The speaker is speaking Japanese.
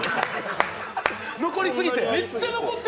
残りすぎて。